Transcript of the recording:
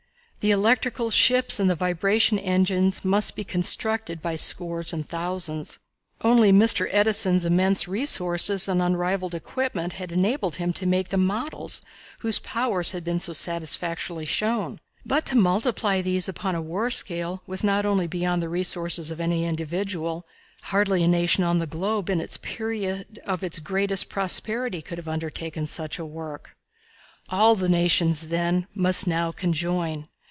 The electrical ships and the vibration engines must be constructed by scores and thousands. Only Mr. Edison's immense resources and unrivaled equipment had enabled him to make the models whose powers had been so satisfactorily shown. But to multiply these upon a war scale was not only beyond the resources of any individual hardly a nation on the globe in the period of its greatest prosperity could have undertaken such a work. All the nations, then, must now conjoin.